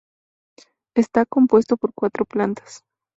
Está compuesto por cuatro plantas.